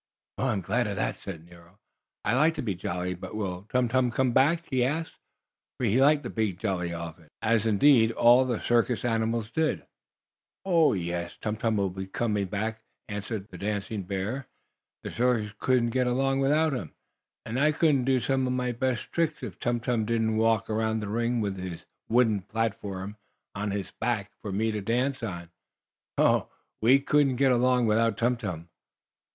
"I'm glad of that," said Nero. "I like to be jolly. But will Tum Tum come back?" he asked, for he liked the big, jolly elephant, as, indeed, all the circus animals did. "Oh, yes, Tum Tum will come back," answered Dido, the dancing bear. "The circus couldn't get along without him. And I couldn't do some of my best tricks if Tum Tum didn't walk around the ring with the wooden platform on his back for me to dance on. Oh, we couldn't get along without Tum Tum!"